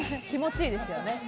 気持ちいいですね。